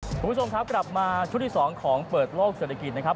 คุณผู้ชมครับกลับมาชุดที่๒ของเปิดโลกเศรษฐกิจนะครับ